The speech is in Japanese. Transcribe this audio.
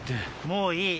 もういい。